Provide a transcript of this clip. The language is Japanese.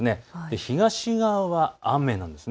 東側は雨なんです。